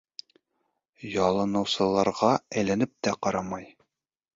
Ялыныусыларға әйләнеп тә ҡарамай.